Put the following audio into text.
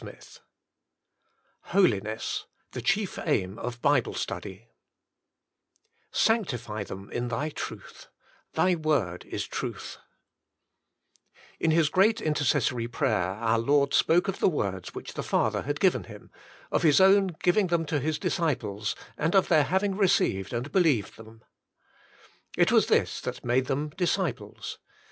XXIX HOLINESS — THE CHIEF AIM OF BIBLE STUDY "Sanctify them in Thy truth, Thy Word is Truth," In his great intercessory prayer our Lord spoke of the words which the Father had given Him, of His own giving them to His disciples, and of their having received and believed them. It was this that made them disciples.